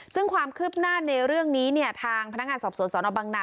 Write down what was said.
ซึ่งความคืบหน้าในเรื่องนี้เนี่ยทางพนักงานสอบสวนสนบังนา